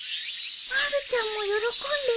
まるちゃんも喜んでる